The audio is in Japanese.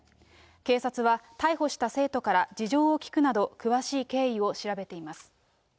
警察は、逮捕した生徒から事情を聴くなど、詳しい経緯を調べています。